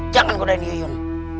jangan kudain yuyun